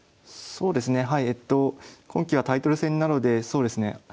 そうですねはいえっと今期はタイトル戦などでそうですね